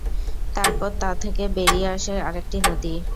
তারপর তা থেকে বেরিয়ে আসে আরেকটি নদী।